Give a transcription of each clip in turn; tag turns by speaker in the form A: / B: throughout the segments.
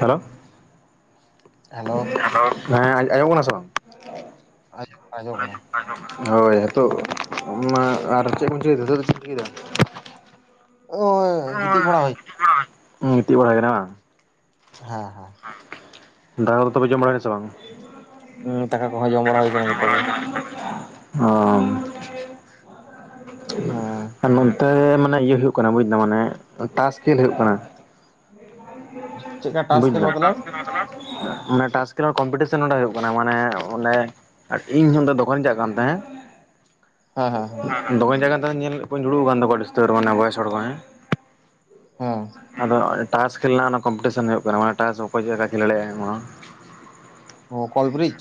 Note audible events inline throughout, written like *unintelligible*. A: Hello
B: hello
A: hello. ᱦᱮᱸ ᱟᱸᱡᱚ ᱟᱸᱢᱚᱜ ᱠᱟᱱᱟ ᱥᱮ ᱵᱟᱝ?
B: ᱟᱡᱚᱢ ᱟᱸᱡᱚᱢᱚᱜ ᱠᱟᱱᱟ ᱾
A: ᱦᱳᱭ᱾ ᱱᱤᱛᱚᱜ ᱢᱟ ᱟᱨ ᱪᱮᱫ ᱠᱚ ᱵᱤᱱ ᱪᱤᱠᱟᱹᱭ, ᱱᱤᱛᱚᱜ ᱫᱚ ᱪᱮᱫ ᱵᱤᱱ ᱪᱤᱠᱟᱹᱭ ᱫᱟ?
B: ᱚᱭ ᱜᱤᱛᱤᱡ ᱵᱟᱲᱟ ᱦᱳᱭ
A: ᱜᱤᱛᱤᱡ ᱵᱟᱲᱟᱭ ᱠᱟᱱᱟ ᱵᱟᱝ?
B: ᱦᱮᱸ ᱦᱮᱸ᱾
A: ᱫᱟᱠᱟ ᱠᱚ ᱛᱚᱵᱮ ᱡᱚᱢ ᱵᱟᱲᱟ ᱦᱳᱭ ᱱᱟ ᱥᱮ ᱵᱟᱝ? ᱩᱸ
B: ᱦᱩᱸ ᱫᱟᱠᱟ ᱠᱚᱦᱚᱸ ᱡᱚᱢ ᱵᱟᱲᱟ
A: ᱫᱟᱠᱟ
B: ᱦᱩᱭ
A: ᱠᱚᱫᱚ
B: ᱠᱟᱱᱟ
A: ᱡᱚᱢ
B: ᱡᱚᱛᱚ
A: ᱵᱟᱲᱟ
B: ᱜᱮ
A: ᱦᱩᱭ ᱠᱟᱱᱟ᱾ ᱚᱻ
B: ᱦᱩᱸ᱾
A: ᱟ ᱱᱚᱱᱛᱮ ᱢᱟᱱᱮ ᱤᱭᱟᱹ ᱦᱩᱭᱩᱜ ᱠᱟᱱᱟ ᱵᱩᱡ ᱫᱟᱢ ᱢᱟᱱᱮ ᱴᱟᱥ ᱠᱷᱮᱞ ᱦᱩᱭᱩᱜ ᱠᱟᱱᱟ ᱾
B: ᱦ *inaudible*
A: ᱵᱩᱡ ᱫᱟᱢ, ᱢᱟᱱᱮ ᱴᱟᱥ ᱠᱷᱮᱞᱟ ᱠᱚᱢᱯᱤᱴᱤᱮᱱ ᱱᱚᱸᱰᱮ ᱦᱩᱭᱩᱜ ᱠᱟᱱᱟ, ᱢᱟᱱᱮ ᱚᱸᱰᱮ ᱟᱨ ᱤᱧ ᱦᱚᱸ ᱚᱸᱰᱮ ᱫᱚᱠᱟᱱ ᱤᱧ ᱪᱟᱞᱟᱜ ᱠᱟᱱ ᱛᱟᱸᱦᱮᱜ,
B: ᱦᱮᱸ ᱦᱮᱸ ᱦᱮᱸ ᱾
A: ᱫᱚᱢᱮ ᱡᱟᱭᱜᱟ ᱫᱚ ᱧᱮᱞᱮᱫ ᱠᱚᱣᱟᱹᱧ ᱡᱩᱲᱩ ᱠᱟᱱ ᱫᱚᱠᱚ ᱟᱹᱰᱤ ᱩᱥᱛᱟᱹᱨ ᱢᱟᱱᱮ ᱵᱚᱭᱮᱥ ᱦᱚᱲ ᱠᱚ ᱦᱮᱸ,
B: ᱦᱮᱸ
A: ᱟᱫᱚ ᱴᱟᱥ ᱠᱷᱮᱞ ᱨᱮᱱᱟᱜ ᱚᱱᱟ ᱠᱚᱢᱯᱤᱴᱤᱥᱚᱱ ᱦᱩᱭᱩᱜ ᱠᱟᱱᱟ, ᱢᱟᱱᱮ ᱴᱟᱥ ᱚᱠᱚᱭ ᱪᱮᱫ ᱞᱮᱠᱟ ᱠᱷᱮᱞ ᱫᱟᱲᱮᱭᱟᱜᱼᱟᱭ᱾
B: ᱚ ᱠᱚᱞᱰᱨᱤᱡ?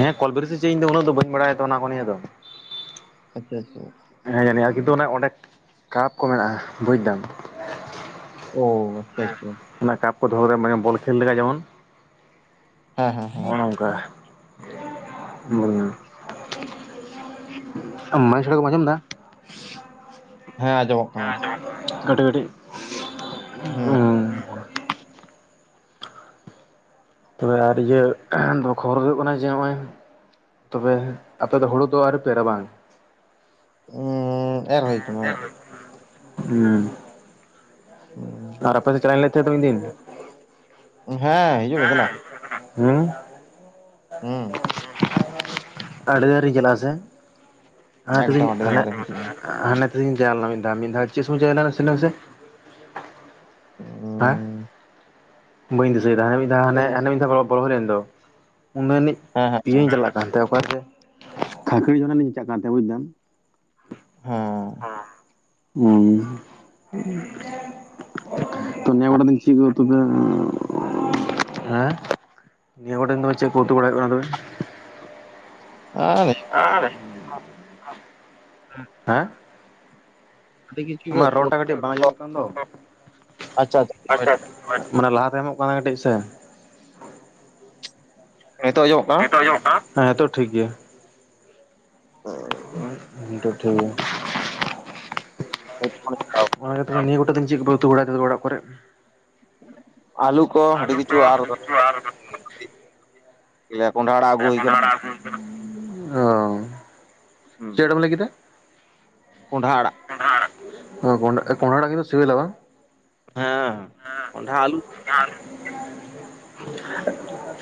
A: ᱦᱮᱸ ᱠᱚᱞᱵᱮᱨᱤᱡ ᱥᱮᱤ ᱪᱮᱫ ᱤᱧ ᱫᱚ ᱩᱱᱟᱹᱜ ᱫᱚ ᱵᱟᱹᱧ ᱵᱟᱲᱟᱭᱟ ᱛᱚ ᱚᱱᱟ ᱠᱚ ᱱᱤᱭᱟᱹ ᱫᱚ ᱾
B: ᱟᱪᱪᱷᱟ ᱟᱪᱪᱷᱟ ᱾
A: ᱦᱮᱸ ᱡᱟᱹᱱᱤᱡ ᱠᱤᱱᱛᱩ ᱚᱸᱰᱮ ᱠᱟᱯ ᱠᱚ ᱢᱮᱱᱟᱜᱼᱟ ᱵᱩᱡ ᱫᱟᱢ ᱾
B: ᱚ᱾ ᱟᱪᱪᱷᱟ ᱟᱪᱪᱷᱟ
A: ᱚᱱᱟ ᱠᱟᱯ ᱠᱚ ᱫᱚᱦᱚ ᱨᱮ ᱢᱟᱱᱮ ᱵᱚᱞ ᱠᱷᱮᱞ ᱞᱮᱠᱟ ᱡᱮᱢᱚᱱ,
B: ᱦᱮᱸ ᱦᱮᱸ ᱦᱮᱸ
A: ᱚᱱᱚ ᱚᱝ ᱠᱟ, ᱩᱸᱻ ᱟᱢ ᱢᱟᱹᱭᱤᱠ ᱥᱟᱲᱮ ᱠᱚᱢ ᱟᱸᱡᱚᱢ ᱫᱟ?
B: ᱦᱮᱸ ᱟ ᱡᱚᱢᱚᱜ
A: ᱠᱟᱹᱴᱤᱡ ᱠᱟᱹᱴᱤᱡ,
B: ᱦᱩᱸ
A: ᱛᱷᱚᱲᱟ ᱟᱨ ᱤᱭᱟᱹ ᱠᱷᱚᱵᱚᱨ ᱦᱩᱭᱩᱜ ᱠᱟᱱᱟ ᱡᱮ ᱦᱚᱸᱜᱼᱚᱭ ᱛᱚᱵᱮ ᱟᱯᱮ ᱫᱚ ᱦᱩᱲᱩ ᱫᱚ ᱟᱣᱨᱤ ᱯᱮ ᱮᱨᱟ ᱵᱟᱝ?
B: ᱩᱸᱻ ᱮᱨ ᱦᱩᱭ ᱠᱟᱱᱟ ᱾
A: ᱦᱩᱸ᱾
B: ᱩᱸᱻ
A: ᱟᱨ ᱟᱯᱮ ᱫᱚ ᱪᱟᱞᱟᱜ ᱤᱧ ᱞᱮᱭᱮᱫ ᱛᱟᱦᱮᱸᱫ ᱫᱚ ᱢᱤᱫ ᱫᱤᱱ?
B: ᱦᱮᱸ ᱦᱤᱡᱩᱜ ᱢᱮ ᱫᱮᱞᱟ ᱾
A: ᱦᱩᱸ?
B: ᱦᱩᱸ᱾
A: ᱟᱹᱰᱤ ᱫᱤᱱ ᱟᱣᱨᱤ ᱤᱧ ᱪᱟᱞᱟᱜᱼᱟ ᱦᱮᱸᱥᱮ? ᱚᱱᱟ ᱛᱮ ᱜᱤᱧ
B: ᱮᱠᱫᱚᱢ ᱟᱹᱰᱤ ᱫᱤᱱ
A: ᱦᱮᱸᱜᱼᱼ
B: ᱟᱣᱨᱤᱢ ᱦᱤᱡᱩᱜᱼᱟ
A: ᱦᱟᱱᱮ ᱛᱤᱥᱤᱧ ᱪᱟᱞᱟᱣ ᱞᱮᱱᱟ ᱢᱤᱫ ᱫᱷᱟᱣ ᱾ ᱢᱤᱫ ᱫᱷᱟᱣ ᱪᱮᱫ ᱥᱚᱢᱚᱭ ᱤᱧ ᱪᱟᱞᱟᱣ ᱞᱮᱱᱟ ᱞᱟᱹᱭ ᱢᱮᱥᱮ? ᱦᱮᱸ?
B: ᱦᱩᱸ᱾
A: ᱵᱟᱹᱧ ᱫᱤᱥᱟᱹᱭ ᱫᱟ, ᱦᱟᱸᱱᱮ ᱢᱤᱫ ᱫᱷᱟᱣ
B: ᱦᱮᱸ
A: ᱦᱟᱱᱮ ᱢᱤᱫ ᱫᱷᱟᱣ ᱵᱚᱞᱦᱚ ᱦᱩᱭ ᱞᱮᱱ ᱫᱚ᱾ ᱩᱱᱫᱚ ᱡᱟᱹᱱᱤᱡ
B: ᱦᱮᱸ
A: ᱤᱭᱟᱹᱧ ᱪᱟᱞᱟᱜ ᱠᱟᱱᱛᱮ ᱚᱠᱟᱭ ᱛᱮ ᱠᱷᱟᱹᱠᱲᱤ ᱡᱷᱚᱨᱱᱟ ᱞᱤᱧ ᱪᱟᱜ ᱠᱟᱱ ᱛᱟᱦᱮᱸᱜ ᱵᱩᱡ ᱫᱟᱢ ᱾
B: ᱦᱮᱸ
A: ᱚ᱾ ᱩᱸ ᱛᱚ ᱱᱮ ᱜᱚᱴᱟ ᱫᱤᱱ ᱪᱮᱫ ᱠᱚ ᱛᱚᱵᱮ *unintelligible* ᱦᱮᱸ? ᱱᱤᱭᱟᱹ ᱠᱚᱴᱷᱮᱱ ᱫᱚ ᱪᱮᱫ ᱠᱚ ᱩᱛᱩ ᱵᱟᱲᱟᱭ ᱦᱩᱭᱩᱜ ᱠᱟᱱᱟ ᱛᱳᱵᱮ?
B: ᱚ *unintelligible*
A: *unintelligible* ᱦᱮᱸ?
B: ᱟᱹᱰᱤ ᱠᱤᱪᱷᱩ ᱜᱮ
A: ᱟᱢᱟᱜ ᱨᱚᱲ ᱴᱟᱜ ᱠᱟᱹᱴᱤᱡ ᱵᱟᱝ ᱟᱸᱢᱚᱜ ᱠᱟᱱ ᱫᱚ, ᱟᱪᱪᱷᱟ ᱢᱟᱱᱮ ᱞᱟᱦᱟ ᱛᱟᱭᱚᱢᱚᱜ ᱠᱟᱱᱟ ᱠᱟᱹᱴᱤᱡ ᱥᱮ,
B: ᱱᱤᱛᱚᱜ ᱟᱸᱡᱚᱢᱚᱜ ᱠᱟᱱᱟ?
A: ᱦᱮᱸ ᱱᱤᱛᱚᱜ ᱴᱷᱤᱠ ᱜᱮᱭᱟ ᱾
B: *inaudible*
A: ᱦᱩᱸ ᱱᱤᱛᱚᱜ ᱴᱷᱤᱠ ᱜᱮᱭᱟ᱾
B: *unintelligible*
A: ᱚᱱᱟ ᱜᱮ ᱛᱚᱵᱮ ᱱᱤᱭᱟᱹ ᱠᱚᱴᱟ ᱫᱤᱱ ᱪᱮᱫ ᱠᱚ ᱯᱮ ᱩᱛᱩ ᱵᱟᱲᱟ ᱫᱟ ᱛᱚᱵᱮ ᱚᱲᱟᱜ ᱠᱚᱨᱮ?
B: ᱟᱹᱞᱩ ᱠᱚ ᱟᱹᱰᱤ ᱠᱤᱪᱷᱩ ᱟᱨ ᱞᱮ ᱠᱚᱸᱰᱷᱟ ᱟᱲᱟᱜ ᱟᱹᱜᱩ ᱦᱩᱭ ᱠᱟᱱᱟ
A: ᱚ,
B: ᱦᱩᱸ
A: ᱪᱮᱫ ᱮᱢ ᱞᱟᱹᱭ ᱠᱮᱫᱟ?
B: ᱠᱚᱸᱰᱷᱟ ᱟᱲᱟᱜ᱾
A: ᱦᱳᱭ ᱠᱚᱸᱰᱷᱟ ᱠᱚᱸᱰᱷᱟ ᱟᱲᱟᱜ ᱠᱤᱱᱛᱩ ᱥᱤᱵᱤᱞᱼᱟ ᱵᱟᱝ?
B: ᱦᱮᱸ ᱠᱚᱸᱵᱷᱟ ᱟᱞᱩ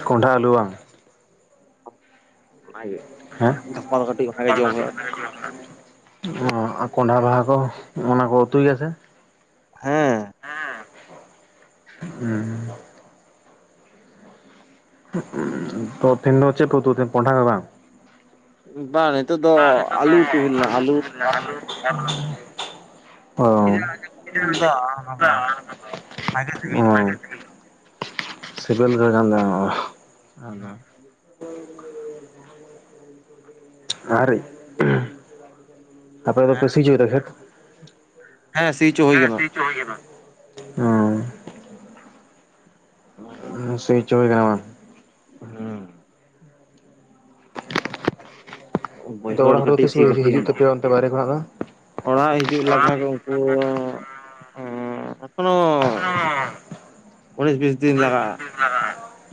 A: ᱠᱚᱸᱰᱷᱟ ᱟᱹᱞᱩ ᱵᱟᱝ?
B: ᱚᱱᱟ ᱜᱮ
A: ᱦᱮᱸᱜ *unintelligible* ᱼᱼ ᱚ ᱠᱚᱸᱰᱷᱟ ᱵᱟᱦᱟ ᱦᱚᱸᱠᱚ ᱚᱱᱟ ᱠᱚ ᱩᱛᱩᱭᱟ ᱥᱮ?
B: ᱦᱮᱸ
A: ᱦᱩᱸ᱾ ᱛᱚ ᱛᱮᱦᱮᱧ ᱫᱚ ᱪᱮᱫ ᱯᱮ ᱩᱛᱩ ᱞᱮᱫ ᱛᱟᱦᱮᱸ ᱠᱚᱸᱰᱷᱟ ᱜᱮ ᱵᱟᱝ?
B: ᱵᱟᱝ, ᱱᱤᱛᱚᱜ ᱫᱚ ᱟᱞᱩ ᱩᱛᱩ ᱦᱩᱭ ᱞᱮᱱᱟ ᱟᱞᱩ ᱾
A: ᱚ
B: *unintelligible* ᱫᱚ ᱵᱷᱟᱜᱮ ᱥᱤᱵᱤᱞ
A: ᱚ
B: ᱠᱟᱱ ᱛᱟᱦᱮᱫ
A: ᱥᱤᱵᱤᱞ ᱫᱚ ᱠᱟᱱᱟᱢᱚᱜᱼᱟ, ᱟᱫᱚ ᱟᱨ ᱟᱯᱮ ᱫᱚ ᱯᱮ ᱥᱤ ᱦᱚᱪ ᱮᱫᱟ ᱠᱷᱮᱛ᱾
B: ᱦᱮᱸ ᱥᱤ ᱦᱚᱪᱚ ᱦᱩᱭ ᱟᱠᱟᱱᱟ᱾
A: *unintelligible* ᱚᱸᱻ
B: ᱚᱱᱟ ᱜᱮ
A: ᱦᱳᱭ ᱥᱤ ᱦᱚᱪᱚ ᱮᱫᱟ ᱵᱟᱝ?
B: ᱦᱮᱸ᱾ ᱦᱩᱸ
A: ᱟᱫᱚ
B: ᱵᱟᱹᱭᱦᱟᱹᱲ
A: ᱚᱲᱟᱜ ᱦᱚᱲ ᱫᱚ
B: ᱠᱟᱹᱴᱤᱡ
A: ᱛᱤᱥ
B: ᱥᱤ
A: ᱠᱚ
B: ᱵᱟᱹᱠᱤ
A: ᱦᱤᱡᱩᱜ
B: ᱢᱮᱱᱟᱜᱼᱟ
A: ᱛᱟᱯᱮᱭᱟ? ᱚᱱᱛᱮ ᱵᱟᱭᱨᱮ ᱠᱷᱚᱱᱟᱜ ᱫᱚ᱾
B: ᱚᱲᱟᱜ ᱦᱤᱡᱩᱜ ᱞᱟᱜ ᱩᱱᱠᱩ ᱮᱠᱷᱚᱱ ᱩᱱᱤᱥ ᱵᱤᱥ ᱫᱤᱱ ᱞᱟᱦᱟ᱾
A: *unintelligible*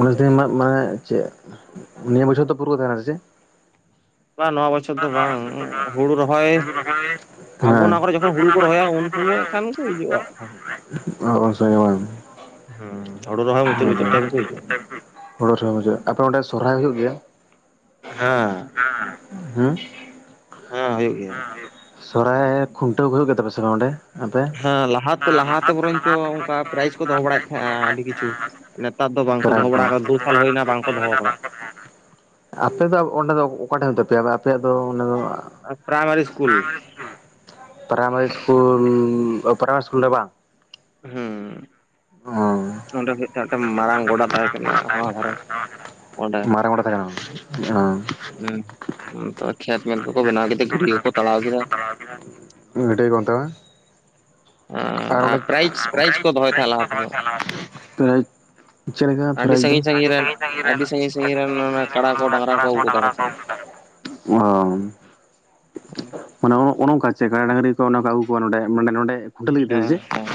A: ᱩᱱᱤᱥ ᱫᱤᱱ ᱢᱟᱱᱮ ᱪᱮᱫ? ᱱᱤᱭᱟᱹ ᱵᱚᱪᱷᱚᱨ ᱫᱚ ᱯᱩᱨᱟᱹ ᱠᱚ ᱛᱟᱦᱮᱱᱟ ᱥᱮ ᱪᱮᱫ?
B: ᱵᱟᱝ, ᱱᱚᱣᱟ ᱵᱚᱪᱷᱚᱨ ᱫᱚ ᱵᱟᱝ, ᱦᱩᱲᱩ ᱨᱚᱦᱚᱭ ᱟᱵᱚ
A: ᱦᱮᱸ
B: ᱚᱱᱟ ᱠᱚᱨᱮ ᱡᱚᱠᱷᱚᱱ ᱦᱩᱲᱩ ᱠᱚ ᱨᱚᱦᱚᱭᱟ, ᱩᱱ ᱥᱩᱢᱚᱭ ᱠᱷᱟᱱ ᱠᱚ ᱦᱤᱡᱩᱜᱼᱟ᱾ ᱦᱟᱸᱜ
A: *unintelligible*
B: ᱦᱩᱸ ᱦᱩᱲᱩ ᱨᱚᱦᱚᱭ ᱢᱩᱪᱟᱹᱫ ᱢᱩᱪᱟᱹᱫ ᱴᱟᱭᱤᱢ ᱜᱮ ᱠᱚ ᱦᱤᱡᱩᱜᱼᱟ᱾
A: ᱦᱩᱲᱩ ᱨᱮᱦᱚᱭ ᱢᱩᱪᱟᱹᱫ, ᱟᱯᱮ ᱚᱸᱰᱮ ᱥᱚᱨᱦᱟᱭ ᱦᱩᱭᱩᱜ ᱜᱮᱭᱟ?
B: ᱦᱮᱸᱻ
A: ᱦᱩᱸ᱾
B: ᱦᱮ ᱦᱩᱭᱩᱜ ᱜᱮᱭᱟ
A: ᱥᱚᱨᱦᱟᱭ ᱠᱷᱩᱱᱴᱟᱹᱣ ᱠᱚ ᱦᱩᱭᱩᱜ ᱜᱮ ᱛᱟᱯᱮ ᱥᱮ ᱵᱟᱝ ᱚᱸᱰᱮ? ᱢᱚᱛᱮ
B: ᱦᱮᱸ ᱞᱟᱦᱟᱛᱮ
A: ᱞᱟᱦᱟᱛᱮ
B: ᱵᱚᱨᱚᱱᱪᱚ
A: ᱞᱟᱦᱟᱛᱮ
B: ᱚᱱᱠᱟ ᱯᱨᱟᱭᱤᱡᱽ ᱠᱚ ᱫᱚᱦᱚ
A: ᱜᱟᱭ
B: ᱵᱟᱲᱟᱭᱮᱫ
A: ᱠᱚ *unintelligible* *unintelligible*
B: ᱛᱟᱦᱮᱸᱜᱼᱟ ᱟᱹᱰᱤ ᱠᱤᱪᱷᱩ ᱱᱮᱛᱟᱨ ᱫᱚ ᱫᱚᱦᱚ
A: ᱵᱟᱝᱠᱚ
B: ᱵᱟᱲᱟ
A: *unintelligible*
B: ᱟᱠᱟᱫᱟ ᱫᱩ ᱥᱟᱞ ᱦᱩᱭᱱᱟ ᱵᱟᱝᱠᱚ ᱫᱚᱦᱚ ᱟᱠᱟᱫᱟ
A: ᱟᱯᱮ ᱫᱚ ᱚᱸᱰᱮ ᱫᱚ ᱚᱠᱟ ᱴᱷᱮᱱ ᱦᱩᱭᱩᱜ ᱛᱟᱯᱮᱭᱟ? ᱟᱯᱮᱭᱟᱜ ᱫᱚ ᱚᱰᱮ ᱫᱚ
B: primary school.
A: Primary school primary school ᱨᱮ ᱵᱟᱝ?
B: ᱦᱩᱸᱻ᱾
A: *unintelligible* ᱢᱟᱨᱮ
B: ᱢᱟᱨᱟᱝ ᱜᱚᱰᱟ ᱛᱟᱦᱮᱸ ᱠᱟᱱᱟ ᱦᱟᱱᱟ ᱫᱷᱟᱨᱮ ᱚᱸᱰᱮ
A: ᱢᱟᱨᱟᱝ ᱜᱚᱰᱟ ᱛᱟᱦᱮᱸᱠᱟᱱᱟ ᱚ᱾
B: ᱛᱚᱵ ᱠᱷᱮᱛ ᱢᱮᱛ ᱠᱚᱠᱚ ᱵᱮᱱᱟᱣ ᱠᱮᱫᱟ᱾ ᱜᱷᱟᱰᱤᱛᱟ ᱠᱚᱠᱚ ᱛᱟᱲᱟᱣ ᱠᱮᱫᱟ᱾
A: ᱢᱤᱫᱴᱟᱹᱭ ᱠᱚ ᱛᱟᱣᱟ *unintelligible*
B: ᱟᱨ
A: ᱚᱰᱮ,
B: ᱯᱨᱟᱭᱤᱡᱽ ᱯᱨᱟᱭᱤᱡᱽ
A: ᱯᱮᱨᱟᱤᱪ
B: ᱠᱚ ᱫᱚᱦᱚᱭ
A: ᱯᱮᱨᱟᱤᱪ
B: ᱛᱟᱦᱮᱸᱫ ᱞᱟᱦᱟ
A: ᱠᱚ ᱫᱚᱦᱚᱭ
B: ᱛᱮᱫᱚ
A: ᱛᱟᱦᱮᱱᱟ ᱾ ᱪᱮᱫ ᱞᱮᱠᱟ
B: ᱟᱹᱰᱤ
A: ᱯᱮᱨᱟᱤᱪ ᱫᱚ?
B: ᱥᱟᱺᱜᱤᱧ
A: ᱟᱰᱤ
B: ᱥᱟᱺᱜᱤᱧ ᱨᱮᱱ
A: ᱥᱟᱹᱜᱤᱧ ᱥᱟᱹᱜᱤᱧ ᱨᱮᱱ
B: ᱟᱹᱰᱤ ᱥᱟᱺᱜᱤᱧ ᱥᱟᱺᱜᱤᱧ ᱨᱮᱱ ᱚᱱᱟ ᱠᱟᱲᱟ ᱠᱚ ᱰᱟᱝᱨᱟ
A: ᱠᱟᱰᱟ ᱠᱚ
B: ᱟᱹᱜᱩ ᱠᱚᱛᱟ
A: ᱰᱟᱝᱨᱟ ᱟᱜᱩ
B: ᱛᱟᱦᱮᱸᱫ
A: ᱠᱚ ᱛᱟᱦᱮᱫ᱾ ᱚᱻ᱾
B: *inaudible*
A: ᱢᱟᱱᱮ ᱚᱱᱮ ᱚᱱᱠᱟ ᱪᱮ ᱠᱟᱲᱟ ᱰᱟᱝᱨᱤ ᱠᱚ ᱚᱱᱠᱟ ᱟᱹᱜᱩ ᱠᱚᱣᱟ᱾ ᱱᱚᱰᱮ ᱢᱟᱱᱮ ᱱᱚᱸᱰᱮ ᱠᱷᱩᱱᱴᱟᱹᱣ ᱞᱟᱜᱤᱫ ᱛᱮ
B: ᱦᱮᱸ
A: ᱥᱮ ᱪᱮ?
B: ᱦᱮᱸ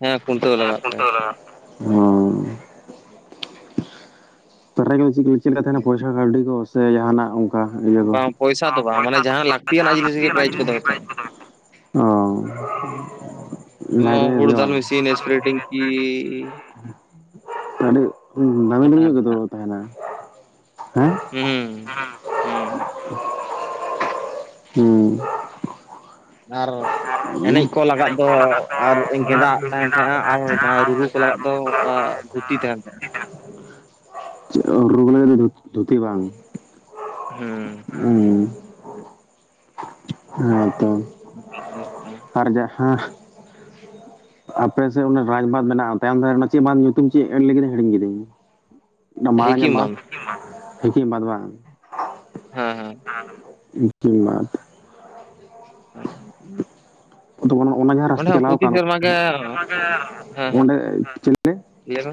B: ᱦᱮᱸ ᱠᱷᱩᱱᱴᱟᱹᱣ
A: ᱦᱮ
B: ᱞᱟᱜᱟᱜ ᱯᱮ
A: ᱠᱷᱩᱱᱴᱟᱹᱣ ᱞᱟᱜᱟᱫ ᱯᱮᱨᱟᱡᱽ ᱠᱚ ᱪᱮᱫ ᱞᱮᱠᱟ ᱛᱟᱦᱮᱱᱟ, ᱯᱚᱭᱥᱟ ᱠᱟᱹᱣᱰᱤ ᱠᱚ ᱥᱮ ᱡᱟᱦᱱᱟᱜ
B: ᱵᱟᱝ ᱯᱚᱭᱥᱟ ᱫᱚ ᱵᱟᱝ
A: ᱯᱚᱭᱥᱟ
B: ᱢᱟᱱᱮ
A: ᱫᱚ
B: ᱡᱟᱦᱟᱸ
A: ᱡᱟᱦᱟ
B: ᱞᱟᱹᱠᱛᱤᱭᱟᱱᱟᱜ
A: ᱞᱟᱹᱠᱛᱤ ᱟᱱᱟᱜ
B: ᱯᱨᱟᱭᱤᱡᱽ ᱠᱚ
A: ᱡᱤᱱᱤᱥ ᱜᱮ,
B: ᱫᱚᱦᱚᱭ
A: ᱯᱮᱨᱟᱡ ᱫᱚ ᱛᱟᱦᱮᱱᱟ᱾ ᱚᱻ
B: ᱦᱩᱲᱩ ᱫᱟᱞ ᱢᱮᱥᱤᱱ, ᱥᱯᱨᱮᱰᱤᱝ ᱠᱤ,
A: ᱟᱹᱰᱤ ᱫᱟᱢᱤ
B: ᱚᱱᱠᱟ
A: ᱫᱟᱢᱤ
B: ᱛᱟᱦᱮᱸᱱ
A: ᱧᱚᱜ ᱜᱮᱛᱚ᱾
B: ᱛᱟᱦᱮᱸᱜ
A: ᱛᱟᱦᱮᱱᱟ ᱦᱮᱸ,
B: ᱦᱩᱸ ᱦᱩᱸ
A: ᱦᱩᱸ᱾ ᱦᱩᱸ᱾
B: ᱟᱨ ᱮᱱᱮᱡ ᱠᱚ ᱞᱟᱜᱟᱫ ᱫᱚ ᱟᱨ ᱜᱮᱸᱫᱟᱜ ᱛᱟᱦᱮᱸᱱ ᱛᱟᱦᱮᱸᱜᱼᱟ ᱟᱨ ᱡᱟᱦᱟᱸᱭ ᱨᱩᱨᱩ ᱠᱚ ᱞᱟᱜᱟᱫ ᱫᱚ ᱟᱸᱜ ᱫᱷᱩᱛᱤ ᱛᱟᱦᱮᱸᱱ ᱛᱟᱦᱮᱸᱜ-ᱟ᱾
A: ᱪᱮᱫ, ᱨᱩᱨᱩ ᱠᱚ ᱞᱟᱜᱤᱫ ᱫᱚ ᱫᱷᱩᱛᱤ ᱵᱟᱝ? ᱩᱸᱻ, ᱦᱮᱸ ᱛᱚ᱾
B: *inaudible*
A: ᱟᱨ ᱡᱟᱦᱟᱸ *inaudible* ᱟᱯᱮ ᱥᱮᱫ ᱚᱱᱟ ᱨᱟᱡᱽ ᱵᱟᱸᱫᱽ ᱢᱮᱱᱟᱜᱼᱟ ᱛᱟᱭᱚᱢ ᱫᱟᱨᱮᱱᱟᱜ ᱪᱮᱫ ᱵᱟᱸᱫᱽ ᱧᱩᱛᱩᱢ ᱪᱮᱫ ᱮᱢ ᱞᱟᱹᱭ ᱠᱮᱫᱟ ᱦᱤᱲᱤᱧ ᱠᱤᱫᱟᱹᱧ᱾ *inaudible* ᱚᱱᱟ
B: ᱦᱩᱸ
A: ᱢᱟᱨᱟᱝ ᱧᱚᱜ ᱵᱟᱸᱫᱽ
B: ᱦᱤᱠᱤᱢᱵᱟᱸᱫ
A: ᱦᱤᱠᱤᱢ ᱵᱟᱸᱫᱽ ᱵᱟᱝ?
B: ᱦᱮᱸ ᱦᱮᱸ
A: ᱠᱤᱢ ᱵᱟᱸᱫᱽ,
B: ᱚ,
A: ᱦᱩᱸᱜ-ᱩᱸ, ᱟᱫᱚ ᱟᱱᱟ ᱚᱱᱟ ᱡᱟᱦᱟᱸ
B: ᱚᱸᱰᱮ
A: ᱨᱟᱥᱛᱟ
B: ᱦᱚᱸ
A: ᱪᱟᱞᱟᱣ
B: ᱯᱨᱚᱛᱤ
A: ᱠᱟᱱ,
B: ᱥᱮᱨᱢᱟ ᱜᱮ ᱦᱮᱸ
A: *inaudible*
B: ᱦᱮᱸ
A: ᱚᱸᱰᱮ ᱪᱮᱞᱮ?
B: ᱞᱟᱹᱭ ᱢᱮ,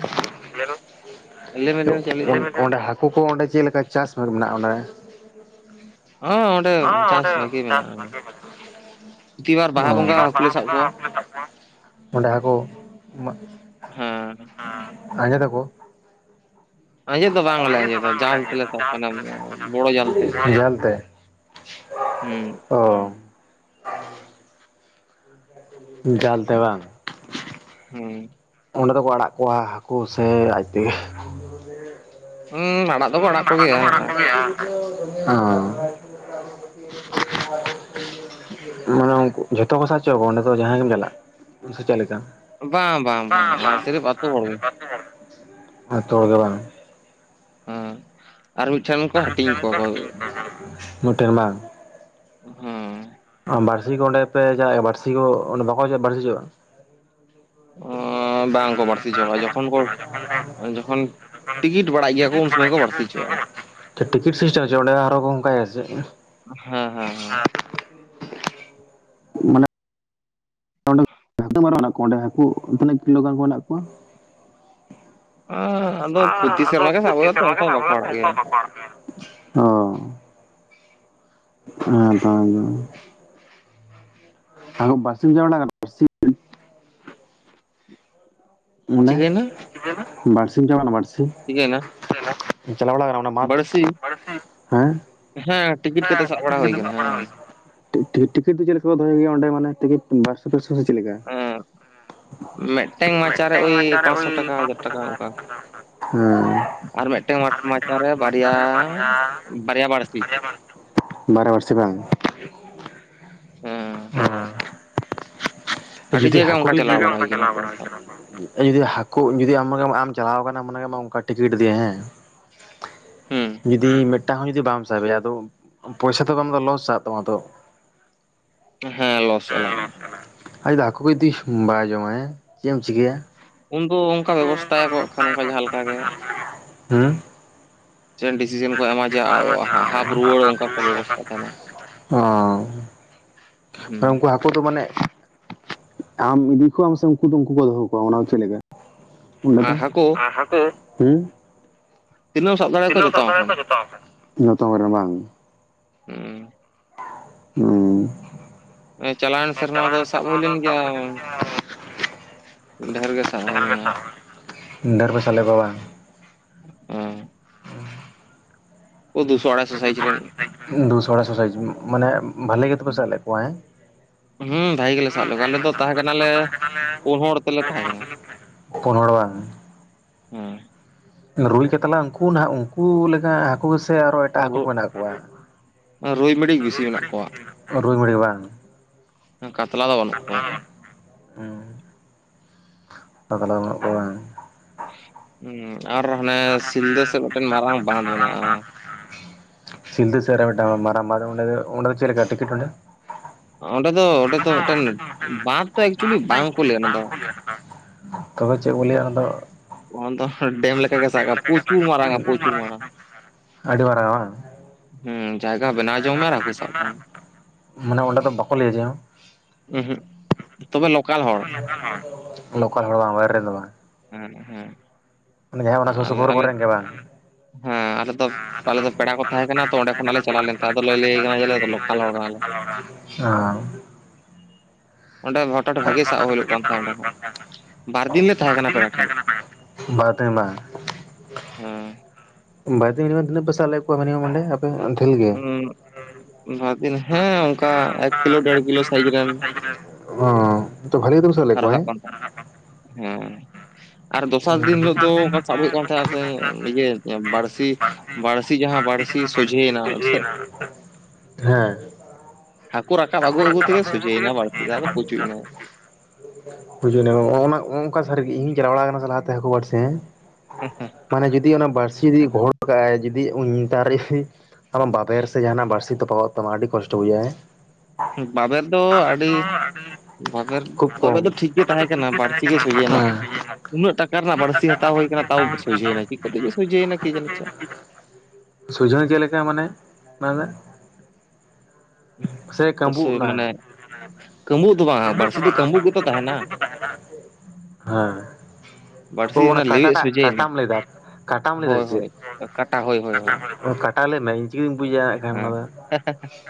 B: ᱞᱟᱹᱭ ᱢᱮ ᱞᱟᱹᱭ ᱢᱮ ᱪᱮᱫ ᱮᱢ ᱞᱟᱹᱭᱮᱫ
A: ᱚᱸ
B: ᱛᱟᱦᱮᱸᱫ
A: ᱚᱸᱰᱮ ᱦᱟ ᱠᱩ ᱠᱚ ᱚᱸᱰᱮ ᱪᱮᱫ ᱞᱮᱠᱟ ᱪᱟᱥ ᱟᱨ ᱢᱮᱱᱟᱜᱼᱟ ᱚᱸᱰᱮ?
B: ᱦᱚᱸ ᱚᱸᱰᱮ ᱪᱟᱥ ᱵᱷᱟᱜᱤ ᱢᱮᱱᱟᱜᱼᱟ *inaudible* ᱯᱨᱚᱛᱤᱵᱟᱨ
A: ᱚ,
B: ᱵᱟᱦᱟ
A: ᱱᱤᱭᱟᱹ
B: ᱵᱚᱸᱜᱟ
A: ᱵᱟᱨ
B: ᱦᱟᱹᱠᱩ
A: ᱵᱟᱦᱟ
B: ᱞᱮ ᱥᱟᱵ ᱠᱚᱣᱟ
A: ᱵᱚᱸᱜᱟᱦᱟᱠᱩ‌ᱞᱮ ᱥᱟᱵ ᱠᱚᱣᱟ ᱾ ᱚᱸᱰᱮ ᱦᱟᱹᱠᱩ,
B: ᱦᱮᱸ
A: ᱟᱸᱻ, ᱟᱸᱡᱮᱫ ᱟᱠᱚ?
B: ᱟᱸᱡᱮᱫ ᱫᱚ ᱵᱟᱝ ᱞᱮ ᱟᱸᱡᱮᱫᱟ ᱡᱟᱞ ᱛᱮᱞᱮ ᱛᱚ *inaudible* ᱵᱚᱲᱚ ᱡᱟᱞ ᱛᱮ᱾
A: ᱡᱷᱟᱹᱞ
B: ᱦᱩᱸ᱾
A: ᱚᱻ᱾ ᱡᱟᱞ ᱛᱮ ᱵᱟᱝ᱾
B: ᱦᱩᱸ᱾
A: ᱚᱸᱰᱮ ᱫᱚᱠᱚ ᱟᱲᱟᱜ ᱠᱚᱣᱟ ᱦᱟᱹᱠᱩ ᱥᱮ ᱟᱡ ᱛᱮᱜᱮ?
B: ᱩᱸᱻ ᱟᱲᱟᱜ ᱫᱚᱠᱚ ᱟᱲᱟᱜ ᱠᱚ ᱜᱮᱭᱟ
A: ᱚᱸᱻ᱾ ᱢᱟᱱᱮ ᱩᱱᱠᱩ ᱡᱷᱚᱛᱚ ᱠᱚ ᱥᱟᱵ ᱦᱚᱪᱚ ᱟᱠᱚᱣᱟ ᱚᱸᱰᱮ ᱫᱚ ᱡᱟᱦᱟᱸᱭ ᱜᱮᱢ ᱪᱟᱞᱟᱜ, ᱥᱮ ᱪᱮᱫ ᱞᱮᱠᱟ?
B: ᱵᱟᱝ ᱵᱟᱝ ᱵᱟᱝ ᱟᱸ ᱥᱤᱨᱤᱯ ᱟᱛᱩ ᱦᱚᱲ ᱜᱮ᱾
A: ᱟᱛᱩ ᱦᱚᱲ ᱜᱮ ᱵᱟᱝ?
B: ᱦᱮᱸ, ᱟᱨ ᱢᱤᱫᱴᱷᱮᱱ ᱠᱚ ᱦᱟᱹᱴᱤᱧ ᱠᱚᱣᱟ ᱠᱚ,
A: *unintelligible* ᱵᱟᱝ?
B: ᱦᱩᱸ᱾
A: ᱚᱸ ᱵᱟᱹᱲᱥᱤ ᱠᱚ ᱚᱸᱰᱮ ᱯᱮ ᱡᱟᱸᱦᱟᱭ ᱵᱟᱬᱥᱤ ᱠᱚ ᱚᱸᱰᱮ ᱵᱟᱠᱚ ᱵᱟᱬᱥᱤ ᱦᱚᱪᱚᱣᱟᱜ-ᱟ?
B: ᱵᱟᱝ ᱠᱚ ᱵᱟᱬᱥᱤ ᱦᱚᱪᱚᱣᱟᱜ-ᱟ ᱡᱚᱠᱷᱚᱱ ᱠᱚ ᱦᱚᱸᱜ-ᱚᱭ ᱡᱚᱠᱷᱚᱱ, ᱴᱤᱠᱤᱴ ᱵᱟᱲᱟᱭ ᱜᱮᱭᱟ ᱠᱚ ᱩᱱ ᱥᱚᱢᱚᱭ ᱠᱚ ᱵᱟᱬᱥᱤ ᱦᱚᱪᱚᱣᱟᱜᱼᱟ᱾
A: ᱪᱮᱫ ᱴᱤᱠᱤᱴ ᱥᱤᱥᱴᱮᱢ *inaudible* ᱚᱸᱰᱮ ᱟᱨᱦᱚᱸ ᱠᱚ ᱚᱱᱠᱟᱭᱟ ᱥᱮ ᱪᱮᱫ?
B: ᱦᱮᱸ ᱦᱮᱸ ᱦᱮᱸ᱾
A: ᱢᱟᱱᱮ ᱦᱟᱹᱠᱩ *inaudible* ᱢᱟᱨᱮ ᱢᱮᱱᱟᱜ ᱠᱚᱣᱟ ᱚᱸᱰᱮ ᱦᱟᱹᱠᱩ, ᱛᱤᱱᱟᱹᱜ ᱠᱤᱞᱳ ᱜᱟᱱ ᱠᱚ ᱢᱮᱱᱟᱜ ᱠᱚᱣᱟ?
B: ᱟᱢ ᱟᱫᱚ ᱯᱨᱚᱛᱤ ᱥᱮᱨᱢᱟ ᱜᱮ ᱥᱟᱵ ᱦᱩᱭᱩᱜᱼᱟ ᱛᱚ ᱚᱱᱠᱟ ᱫᱚ ᱵᱟᱠᱚ ᱦᱟᱨᱟᱜ ᱜᱮᱭᱟ᱾
A: *inaudible* ᱚᱸ *inaudible* *inaudible* ᱚᱱᱮ
B: ᱪᱤᱠᱟᱹᱭᱮᱱᱟ
A: ᱵᱟᱹᱲᱥᱤᱢ ᱪᱟᱞᱟᱣ ᱟᱠᱟᱱᱟ ᱵᱟᱹᱲᱥᱤ᱾
B: ᱪᱤᱠᱟᱹᱭᱮᱱᱟ
A: ᱪᱟᱞᱟᱣ ᱵᱟᱲᱟ ᱟᱠᱟᱱᱟᱢ ᱚᱱᱟ ᱢᱟᱴᱷ
B: ᱵᱟᱹᱲᱥᱤ
A: ᱦᱮᱸ
B: ᱦᱮᱸ ᱴᱤᱠᱤᱴ ᱠᱟᱛᱮᱫ ᱥᱟᱵ ᱵᱟᱲᱟ ᱦᱩᱭ ᱟᱠᱟᱱᱟ ᱦᱮᱸ
A: ᱴᱤᱠᱤᱴ ᱫᱚ ᱪᱮᱫ ᱞᱮᱠᱟ ᱠᱚ ᱫᱚᱦᱚᱭ ᱜᱮᱭᱟ ᱚᱸᱰᱮ ᱢᱟᱱᱮ ᱴᱤᱠᱤᱴ ᱵᱟᱲᱥᱤ ᱫᱚ ᱪᱮᱫ ᱞᱮᱠᱟ
B: ᱦᱮᱸ ᱢᱤᱫᱴᱟᱝ ᱢᱟᱪᱟᱨᱮ
A: ᱢᱤᱫᱴᱟᱝ
B: ᱳᱭ
A: ᱢᱟᱪᱟᱨᱮ
B: ᱯᱟᱸᱪᱥᱚ
A: ᱳᱭ
B: ᱴᱟᱠᱟ ᱦᱟᱡᱟᱨ
A: ᱯᱟᱸᱪᱥᱚ ᱴᱟᱠᱟ.
B: ᱚᱱᱠᱟ
A: ᱚᱸ
B: ᱟᱨ ᱢᱤᱫᱴᱟᱝ ᱢᱟᱪᱟᱨᱮ ᱵᱟᱨᱭᱟ ᱵᱟᱨᱭᱟ ᱵᱟᱹᱲᱥᱤ
A: ᱵᱟᱨᱭᱟ ᱵᱟᱬᱥᱤ ᱵᱟᱝ
B: ᱦᱮᱸ
A: ᱦᱮᱸ
B: ᱟᱹᱰᱤ
A: ᱡᱩᱫᱤ
B: ᱡᱟᱭᱜᱟ
A: ᱦᱟᱹᱠᱩ
B: ᱚᱱᱠᱟ ᱪᱟᱞᱟᱣ ᱵᱟᱲᱟ ᱦᱩᱭ ᱠᱟᱱᱟ
A: ᱪᱟᱞᱟᱣ
B: ᱛᱚ
A: ᱵᱟᱲᱟ ᱦᱩᱭ ᱠᱟᱱᱟ ᱡᱩᱫᱤ ᱦᱟᱹᱠᱩ ᱡᱩᱫᱤᱢ ᱟᱢ ᱪᱟᱞᱟᱣ ᱟᱠᱟᱱᱟᱢ ᱚᱱᱠᱟ ᱴᱤᱠᱤᱴ ᱤᱫᱤᱭᱟ ᱦᱮᱸ
B: ᱦᱮᱸ
A: ᱡᱩᱫᱤ ᱢᱤᱫᱴᱟᱝ ᱦᱚᱸ ᱡᱩᱫᱤ ᱵᱟᱢ ᱥᱟᱵᱮᱭᱟ ᱟᱫᱚ ᱯᱚᱭᱥᱟ ᱛᱳ ᱟᱢ ᱫᱚ ᱞᱚᱥ ᱪᱟᱞᱟᱜ ᱛᱟᱢᱟ ᱛᱳ
B: ᱦᱮᱸ ᱞᱚᱥ ᱪᱟᱞᱟᱜᱼᱟ
A: ᱟᱡ ᱦᱟᱠᱩ ᱜᱮ ᱡᱩᱫᱤ ᱵᱟᱭ ᱡᱚᱢᱟᱭ ᱪᱮᱫ ᱮᱢ ᱪᱤᱠᱟᱹᱭᱟ
B: ᱩᱱᱫᱚ ᱚᱱᱠᱟ ᱵᱮᱵᱚᱥᱛᱷᱟᱭᱟᱠᱚ ᱠᱷᱟᱱ ᱚᱱᱠᱟ ᱡᱟᱦᱟᱸ ᱞᱮᱠᱟ ᱜᱮ
A: ᱦᱮᱸ
B: ᱪᱮᱫ ᱰᱤᱥᱤᱥᱮᱱ ᱠᱚ ᱮᱢᱟ ᱡᱮ ᱦᱟᱯ ᱨᱩᱣᱟᱹᱲ ᱚᱱᱠᱟ ᱠᱚ ᱵᱮᱵᱚᱥᱛᱷᱟ ᱛᱟᱦᱮᱱᱟ᱾
A: ᱚ
B: ᱦᱮᱸ
A: ᱩᱱᱠᱩ ᱦᱟᱹᱠᱩ ᱫᱚ ᱢᱟᱱᱮ ᱟᱢ ᱤᱫᱤ ᱠᱚᱣᱟᱢ ᱥᱮ ᱩᱱᱠᱩ ᱫᱚ ᱩᱱᱠᱩ ᱠᱚ ᱫᱚᱦᱚ ᱠᱚᱣᱟ ᱚᱱᱟ ᱫᱚ ᱪᱮᱫ ᱞᱮᱠᱟ᱾ ᱚᱱᱟ
B: ᱟᱨ
A: ᱫᱚ
B: ᱦᱟᱹᱠᱩ
A: ᱟᱨ ᱦᱟᱠᱩ
B: ᱛᱤᱱᱟᱹᱜ ᱮᱢ ᱥᱟᱵ ᱫᱟᱲᱮᱭᱟᱠᱚᱣᱟ
A: ᱛᱤᱱᱟᱹᱜ ᱮᱢ
B: ᱡᱚᱛᱚ
A: ᱥᱵᱟ
B: ᱟᱢ ᱴᱷᱮᱱ
A: ᱫᱟᱲᱮᱭᱟᱠᱚᱣᱟ ᱡᱚᱛᱚ ᱟᱢ ᱨᱮᱱ᱾ ᱡᱷᱚᱛᱚ ᱦᱚᱲ ᱨᱮᱱ ᱵᱟᱝ
B: ᱦᱮᱸ
A: ᱦᱮᱸ
B: ᱦᱮᱸ ᱪᱟᱞᱟᱣᱮᱱ ᱥᱮᱨᱢᱟ ᱫᱚ
A: ᱪᱞᱟᱣᱮᱱ
B: ᱥᱟᱵ
A: ᱥᱮᱨᱢᱟ
B: ᱦᱩᱭ
A: ᱫᱚ
B: ᱞᱮᱱ
A: *unintelligible*
B: ᱜᱮᱭᱟ ᱰᱷᱮᱨ ᱜᱮ ᱥᱟᱵ ᱦᱩᱭ
A: ᱰᱷᱮᱨ ᱜᱮ
B: ᱞᱮᱱᱟ
A: ᱥᱟᱵ ᱰᱷᱮᱨ ᱯᱮ ᱥᱟᱵ ᱞᱮᱜ ᱠᱚᱣᱟ ᱵᱟᱝ
B: ᱚᱸ *unintelligible* ᱨᱮᱱ
A: *inaudible* ᱫᱩᱥᱚᱲᱟ ᱥᱚᱥᱟᱭᱴᱤ ᱢᱟᱱᱮ ᱵᱷᱟᱞᱮ ᱜᱮᱛᱚᱯᱮ ᱥᱟᱵ ᱞᱮᱫ ᱠᱚᱣᱟ ᱦᱮᱸ
B: ᱦᱮᱸ ᱵᱷᱟᱜᱤ ᱜᱮᱞᱮ ᱥᱟᱵ
A: ᱦᱩᱸ
B: ᱞᱮᱫ ᱠᱚᱣᱟ
A: ᱰᱷᱮᱨ
B: ᱟᱞᱮ
A: ᱜᱮᱞᱮ
B: ᱫᱚ
A: ᱥᱟᱵ ᱞᱮᱜ
B: ᱛᱟᱦᱮᱸ
A: ᱠᱚᱣᱟ ᱟᱞᱮ ᱫᱚ
B: ᱠᱟᱱᱟᱞᱮ
A: ᱛᱟᱦᱮᱸ ᱠᱟᱱᱟ
B: ᱯᱩᱱ ᱦᱚᱲ ᱛᱮᱞᱮ
A: ᱞᱮ ᱯᱤᱱ
B: ᱛᱟᱦᱮᱸ
A: ᱦᱚᱲ ᱛᱮᱞᱮ ᱛᱟᱦᱮᱸ ᱠᱟᱱᱟ ᱯᱩᱱ ᱦᱚᱲ ᱵᱟᱝ
B: ᱦᱮᱸ
A: ᱨᱩᱭ ᱠᱟᱛᱞᱟ ᱩᱱᱠᱩ ᱱᱟᱦᱟᱜ ᱩᱱᱠᱩ ᱞᱮᱠᱟ ᱦᱟᱹᱠᱩ ᱥᱮ ᱟᱨᱚ ᱮᱴᱟᱜ ᱦᱟᱹᱠᱩ ᱠᱚ ᱢᱮᱱᱟᱜ ᱠᱚᱣᱟ
B: ᱨᱩᱭ ᱢᱤᱰᱤᱠ ᱵᱮᱥᱤ ᱢᱮᱱᱟᱜ ᱠᱚᱣᱟ
A: ᱨᱩᱭ ᱵᱟᱹᱲᱤ ᱵᱟᱝ
B: ᱠᱟᱛᱞᱟ ᱫᱚ ᱵᱟᱹᱱᱩᱜ ᱠᱚᱣᱟ
A: ᱦᱩᱸ ᱠᱟᱛᱞᱟ ᱵᱟᱹᱱᱩᱜ ᱠᱚᱣᱟ ᱵᱟᱝ
B: ᱦᱩᱸ ᱟᱨ ᱦᱟᱱᱮ ᱥᱤᱞᱫᱟᱹ ᱥᱮᱫ ᱢᱤᱫᱴᱮᱱ ᱢᱟᱨᱟᱝ ᱵᱟᱸᱫᱷ ᱢᱮᱱᱟᱜᱼᱟ᱾
A: ᱥᱤᱞᱫᱟᱹ ᱥᱮᱜ ᱨᱮ ᱢᱤᱫᱴᱮᱱ ᱢᱟᱨᱟᱝ ᱵᱟᱱᱫᱽ ᱪᱮᱥ ᱞᱮᱠᱟ ᱴᱤᱠᱤᱴ ᱚᱰᱮ
B: ᱚᱸᱰᱮ ᱫᱚ ᱚᱸᱰᱮ ᱫᱚ ᱢᱤᱫᱴᱮᱱ ᱵᱟᱸᱫᱷ ᱫᱚ ᱮᱠᱪᱩᱭᱮᱞᱤ ᱵᱟᱝ ᱠᱚ ᱞᱟᱹᱭᱟ ᱚᱱᱟ ᱫᱚ
A: *inaudible* ᱛᱚᱵᱮ ᱪᱮᱫ ᱠᱚ ᱞᱟᱹᱭᱟ ᱚᱱᱟᱫᱚ
B: ᱚᱱᱟ ᱫᱚ ᱰᱮᱢ ᱞᱮᱠᱟ ᱜᱮ ᱥᱟᱜ ᱠᱟᱜ ᱢᱮ ᱯᱨᱚᱪᱩᱨ ᱢᱟᱨᱟᱝ ᱯᱨᱚᱪᱩᱨ ᱢᱟᱨᱟᱝ
A: ᱟᱹᱰᱤ ᱢᱟᱨᱟᱝᱟ ᱵᱟᱝ
B: ᱦᱮᱸ ᱡᱟᱭᱜᱟ ᱵᱮᱱᱟᱣ ᱡᱚᱝ ᱢᱮ ᱟᱨ ᱦᱟᱹᱠᱩ ᱥᱟᱵ ᱠᱚᱢ
A: ᱢᱟᱱᱮ ᱚᱸᱰᱮ ᱫᱚ ᱵᱟᱠᱚ ᱞᱟᱹᱭᱟ ᱪᱮᱫ ᱦᱚᱸ
B: ᱩᱸᱦᱩᱜ ᱛᱚᱵᱮ ᱞᱳᱠᱟᱞ ᱦᱚᱲ,
A: ᱞᱳᱠᱟᱞ ᱦᱚᱲ ᱵᱟᱝ ᱵᱟᱭᱨᱮ ᱨᱮᱱ ᱫᱚ ᱵᱟᱝ,
B: ᱦᱩᱸᱜ ᱩᱦᱩᱸᱜ,
A: ᱢᱟᱱᱮ ᱡᱟᱦᱟᱸ ᱚᱱᱟ ᱥᱩᱨ ᱥᱩᱯᱩᱨ ᱠᱚᱨᱮᱱ ᱜᱮ ᱵᱟᱝ,
B: ᱦᱮᱸ ᱟᱞᱮ ᱫᱚ
A: ᱦᱟᱸᱜ
B: ᱟᱞᱮ ᱫᱚ ᱯᱮᱲᱟ ᱠᱚ
A: ᱟᱞᱮ
B: ᱛᱟᱦᱮᱸ
A: ᱫᱚ
B: ᱠᱟᱱᱟ
A: ᱯᱮᱲᱟ
B: ᱛᱚ
A: ᱠᱚ
B: ᱚᱸᱰᱮ
A: ᱛᱟᱦᱮᱸ
B: ᱠᱷᱚᱱᱟᱜ
A: ᱠᱟᱱᱟ
B: ᱞᱮ ᱪᱟᱞᱟᱣ
A: ᱛᱚᱫᱚ ᱚᱸᱰᱮ
B: ᱞᱮᱱ ᱛᱟᱦᱮᱸ
A: ᱠᱷᱚᱱᱟᱜ ᱞᱮ
B: ᱞᱟᱹᱭ
A: *unintelligible* ᱟᱫᱚ
B: ᱠᱟᱱᱟ ᱡᱮ
A: ᱞᱮ
B: ᱟᱞᱮ ᱫᱚ
A: ᱞᱟᱹᱭᱟᱭ
B: ᱞᱳᱠᱟᱞ
A: ᱠᱟᱱᱟ
B: ᱦᱚᱲ ᱠᱟᱱᱟᱞᱮ
A: ᱡᱮ ᱫᱚᱦᱲᱟ, ᱚ
B: ᱚᱸᱰᱮ ᱦᱚᱴᱟᱛ ᱵᱷᱟᱜᱮ ᱥᱟᱵ ᱦᱩᱭᱩᱜ ᱠᱟᱱ ᱛᱟᱦᱮᱸᱫ ᱚᱸᱰᱮ ᱦᱚᱸ ᱵᱟᱨ ᱫᱤᱱ ᱞᱮ ᱛᱟᱦᱮᱸ ᱠᱟᱱᱟ ᱯᱮᱲᱟ ᱴᱷᱮᱱ,
A: ᱵᱟᱨ ᱫᱤᱱ ᱵᱟᱝ,
B: ᱦᱩᱸ
A: ᱵᱟᱨ ᱫᱤᱱ ᱨᱮᱜᱮ ᱛᱤᱱᱟᱜ ᱯᱮ ᱥᱟᱵ ᱞᱮᱫ ᱠᱚᱣᱟ ᱢᱟᱱᱮ ᱚᱸᱰᱮ ᱟᱯ ᱟᱫᱷᱮᱱ ᱜᱮ,
B: ᱦᱩᱸ ᱵᱟᱨ ᱫᱤᱱ ᱦᱮᱸ ᱚᱱᱠᱟ ᱮᱠ ᱠᱤᱞᱳ ᱰᱮᱲ ᱠᱤᱞᱳ ᱥᱟᱭᱤᱡ ᱨᱮᱱ
A: ᱚ ᱛᱚ ᱵᱷᱟᱞᱤ ᱜᱮᱫᱚ
B: ᱨᱟᱠᱟᱵ ᱠᱟᱱ ᱛᱟᱦᱮᱸ ᱦᱮᱸ ᱟᱨ ᱫᱚᱥᱟᱨ ᱫᱤᱱ ᱦᱤᱞᱳᱜ ᱫᱚ ᱚᱱᱠᱟ ᱥᱟᱵ ᱦᱩᱭᱩᱜ ᱠᱟᱱ ᱛᱱᱟ ᱤᱭᱟᱹ ᱵᱟᱹᱲᱥᱤ, ᱵᱟᱹᱲᱥᱤ ᱡᱟᱦᱟᱸ ᱵᱟᱹᱲᱥᱤ ᱥᱳᱡᱷᱮᱭᱮᱱᱟ ᱥᱮ
A: ᱦᱮᱸ ᱦᱟᱹᱠᱳ
B: ᱟᱹᱜᱩ ᱟᱹᱜᱩ
A: ᱨᱟᱠᱟᱵ ᱟᱜᱩ ᱟᱜᱩ ᱛᱮᱜᱮ
B: ᱥᱚᱡᱷᱮᱭᱮᱱᱟ ᱵᱟᱹᱲᱥᱤ ᱫᱚ
A: ᱥᱳᱡᱷᱮᱭᱮᱱᱟ
B: ᱟᱫᱚ
A: ᱵᱟᱲᱥᱤ
B: ᱯᱩᱪᱩᱡᱱᱟᱭ
A: *inaudible* ᱵᱩᱡᱩᱜ ᱚᱱᱠᱟ ᱥᱟᱹᱨᱤᱜ ᱤᱧ ᱪᱟᱞᱟᱣ ᱵᱟᱲ ᱟᱠᱟᱱᱟ ᱥᱮ ᱞᱟᱦᱟᱛᱮ ᱦᱟᱹᱠᱩ ᱵᱟᱹᱲᱥᱤ ᱦᱮᱸ ᱢᱟᱱᱮ ᱡᱩᱫᱤ ᱚᱱᱟ ᱵᱟᱹᱲᱥᱤ ᱡᱚᱫᱤ ᱜᱚᱦᱚᱲ ᱠᱟᱜ-ᱟᱭ ᱡᱩᱫᱤ ᱩᱱ ᱫᱟᱨᱮ, ᱟᱢᱟᱜ ᱵᱟᱵᱮᱨ ᱥᱮ ᱡᱟᱦᱟᱱᱟᱜ ᱵᱟᱹᱲᱥᱤ ᱛᱚᱯᱟᱜᱚᱜ ᱛᱟᱢᱟ ᱟᱹᱰᱤ ᱠᱚᱥᱴᱚ ᱵᱩᱡᱷᱟᱹᱜ-ᱟ ᱦᱮᱸ,
B: ᱵᱟᱵᱮᱨ ᱫᱚ ᱟᱹᱰᱤ, ᱵᱟᱵᱮᱨ
A: ᱠᱷᱩᱵ
B: ᱵᱟᱵᱮᱨ ᱫᱚ
A: ᱠᱚᱢ
B: ᱴᱷᱤᱠ ᱜᱮ ᱛᱟᱦᱮᱸ ᱠᱟᱱᱟ ᱵᱟᱹᱲᱥᱤ ᱜᱮ ᱥᱚᱡᱷᱮᱱᱟ
A: ᱦᱮᱸ
B: ᱩᱱᱟᱹᱜ ᱴᱟᱠᱟ ᱨᱮᱱᱟᱜ ᱵᱟᱹᱲᱥᱤ ᱦᱟᱛᱟᱣ ᱦᱩᱭ ᱠᱟᱱᱟ, ᱛᱟᱣ ᱥᱚᱡᱷᱮᱭ ᱱᱟ ᱪᱤᱠᱟᱹ ᱛᱮ ᱪᱚ ᱥᱚᱡᱷᱮᱭᱮ ᱱᱟ ᱠᱤ ᱡᱟᱱ ᱪᱚ,
A: ᱥᱩᱡᱷᱚᱱ ᱪᱮᱫᱮᱠᱟ ᱢᱟᱱᱮ ᱢᱮᱱᱫᱟ, ᱥᱮ ᱠᱟᱸᱵᱩᱜ ᱱᱟ,
B: ᱢᱟᱱᱮ ᱠᱟᱹᱢᱵᱩᱜ ᱫᱚ ᱵᱟᱝ ᱵᱟᱹᱲᱥᱤ ᱫᱚ ᱠᱟᱹᱢᱵᱩᱜ ᱜᱮᱛᱚ ᱛᱟᱦᱮᱱᱟ
A: *inaudible* ᱦᱮᱸ ᱚ
B: ᱵᱟᱹᱲᱥᱤ
A: ᱚᱱᱟ
B: ᱞᱮᱣᱮᱫ
A: ᱠᱟᱴᱟᱴᱟᱜ
B: ᱥᱚᱡᱷᱮᱭᱮᱱᱟ
A: ᱠᱟᱴᱟᱢ ᱞᱟᱹᱭ ᱫᱟ ᱠᱟᱴᱟᱢ ᱞᱟᱹᱭᱫᱟ
B: ᱦᱳᱭ
A: ᱪᱮᱫ
B: ᱦᱳᱭ ᱠᱟᱴᱟ ᱦᱳᱭ ᱦᱳᱭ
A: ᱦᱳᱭ ᱠᱟᱴᱟ ᱦᱳᱭ, ᱛᱟᱦᱚᱞᱮ ᱢᱮ ᱤᱧ ᱪᱤᱠᱟᱹᱧ ᱵᱩᱡᱟ ᱮᱠᱷᱟᱱ
B: ᱦᱮᱸ
A: ᱚᱱᱟ ᱫᱚ,
B: *inaudible*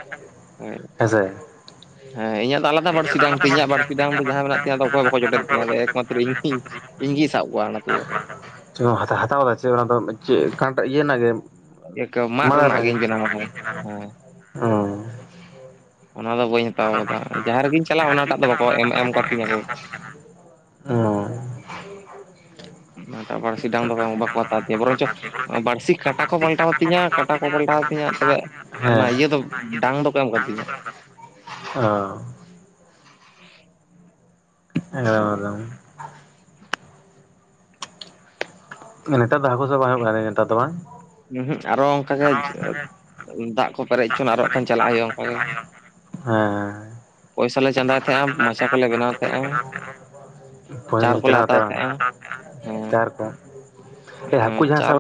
B: ᱦᱳᱭ
A: ᱦᱮᱥᱮ
B: ᱦᱮᱸ ᱤᱧᱟᱹᱜ ᱫᱚ ᱟᱞᱟᱫᱟ ᱵᱟᱹᱲᱥᱤ ᱰᱟᱝ ᱛᱤᱧ ᱤᱧᱟᱹᱜ ᱵᱟᱹᱲᱥᱤ ᱰᱟᱝ ᱫᱚ ᱡᱟᱦᱟᱸ ᱢᱮᱱᱟᱜ ᱛᱤᱧᱟ ᱚᱠᱚᱭ ᱵᱟᱠᱚ ᱡᱚᱴᱮᱫ ᱛᱤᱧᱟᱹ ᱮᱠᱢᱟᱛᱨᱚ ᱤᱧ, ᱤᱧᱜᱤᱧ ᱥᱟᱵ ᱠᱚᱣᱟ ᱚᱱᱟ ᱛᱮᱫᱚ,
A: ᱪᱮᱫ ᱦᱟᱛᱟᱣ ᱮᱫᱟ ᱪᱮᱫ ᱚᱱᱟ ᱫᱚ ᱪᱮᱫᱴᱟ ᱤᱭᱟᱹ ᱨᱮᱱᱟᱜ ᱜᱮ,
B: ᱢᱟᱫ ᱨᱮᱱᱟᱜ
A: ᱢᱟᱨᱟᱝ
B: ᱜᱤᱧ ᱵᱮᱱᱟᱣ ᱟᱠᱟᱫᱟ ᱦᱮᱸ
A: *inaudible* ᱳ
B: ᱚᱱᱟ ᱫᱚ ᱵᱟᱹᱧ ᱦᱟᱛᱟᱣ ᱠᱟᱫᱟ ᱡᱟᱦᱟᱸ ᱨᱮᱜᱤᱧ ᱪᱟᱞᱟᱜ-ᱟ ᱚᱱᱟᱴᱟᱜ ᱫᱚ ᱵᱟᱠᱚ ᱮᱢ ᱮᱢ ᱠᱟᱜ ᱛᱤᱧᱟᱹ ᱠᱚ,
A: ᱦᱚᱸ
B: ᱮᱴᱟᱜ ᱵᱟᱹᱲᱥᱤᱰᱟᱝ ᱫᱚ ᱵᱟᱠᱚ ᱦᱟᱛᱟᱣ ᱛᱤᱧᱟ ᱵᱚᱨᱚᱱ ᱪᱚ, ᱵᱟᱹᱲᱥᱤ ᱠᱟᱴᱟ ᱠᱚ ᱯᱟᱞᱴᱟᱣ ᱛᱤᱧᱟ
A: ᱦᱮᱸ ᱚ
B: ᱠᱟᱴᱟ
A: ᱮᱠᱫᱚᱢ
B: ᱠᱚ ᱯᱟᱞᱴᱟᱣ ᱛᱤᱧᱟᱹ ᱛᱚᱵᱮ ᱚᱱᱟ ᱤᱭᱟᱹ ᱫᱚ ᱰᱟᱝ ᱫᱚᱠᱚ ᱮᱢ ᱠᱟᱛᱤᱧᱟ,
A: ᱦᱚᱸ *inaudible*
B: *unintelligible*
A: ᱱᱮᱛᱟᱨ ᱫᱚ ᱦᱟᱹᱠᱩ ᱥᱟᱵ ᱵᱟᱝ ᱦᱩᱭᱩᱜ ᱠᱟᱱ ᱱᱮᱛᱟᱨ ᱫᱚ ᱵᱟᱝ
B: ᱩᱦᱩᱸᱜ ᱟᱨᱚ ᱚᱱᱠᱟ ᱜᱮ ᱫᱟᱜ ᱠᱚ ᱯᱮᱨᱮᱡ ᱦᱚᱪᱚ, ᱟᱨᱚ ᱠᱷᱟᱱ ᱪᱟᱞᱟᱜ ᱦᱩᱭᱩᱜᱼᱟ, ᱚᱱᱠᱟ ᱜᱮ᱾
A: ᱦᱮᱸᱻ᱾
B: ᱯᱚᱭᱥᱟ ᱞᱮ ᱪᱟᱸᱫᱟ
A: *unintelligible*
B: ᱪᱟᱨ
A: ᱞᱟᱹᱜᱤᱫ
B: ᱠᱚᱞᱮ ᱦᱟᱛᱟᱣ ᱛᱟᱦᱮᱸᱜᱼᱟ
A: ᱵᱮᱱᱟ *unintelligible*
B: ᱦᱮᱸ
A: ᱪᱟᱨ ᱠᱚᱢ
B: ᱦᱮᱸ
A: ᱦᱟᱹᱠᱩ ᱡᱟᱦᱟᱸ
B: ᱪᱟᱨ
A: ᱥᱟᱵᱽ